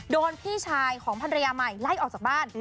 พี่ชายของภรรยาใหม่ไล่ออกจากบ้าน